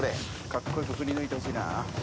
カッコ良く振り抜いてほしいな。